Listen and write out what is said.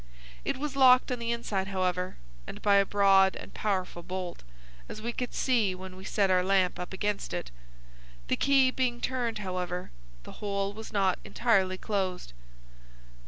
It was locked on the inside, however, and by a broad and powerful bolt, as we could see when we set our lamp up against it. The key being turned, however, the hole was not entirely closed.